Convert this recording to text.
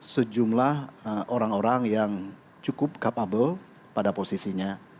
sejumlah orang orang yang cukup capable pada posisinya